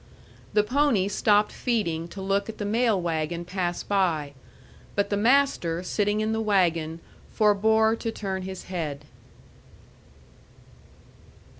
The pony stopped feeding to look at the mail wagon pass by; but the master sitting in the wagon forebore to turn his head.